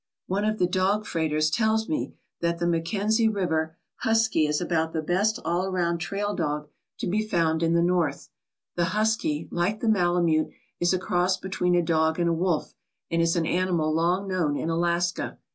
One of the dog freighters tells me that the Mackenzie 20 1 ALASKA OUR NORTHERN WONDERLAND River husky is about the best all around trail dog to be found in the North. The husky, like the malamute, is a cross between a dog and a wolf, and is an animal long known in Alaska.